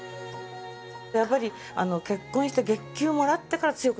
やっぱり結婚して月給もらってから強くなりましたね。